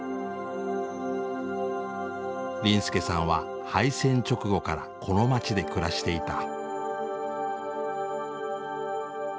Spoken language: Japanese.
林助さんは敗戦直後からこの街で暮らしていた。